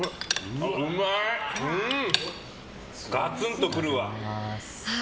ガツンと来るわ。